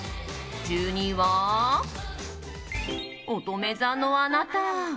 １２位は、おとめ座のあなた。